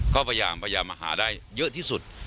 ก็ประหย่ามภรรยามหาได้เยอะที่สุด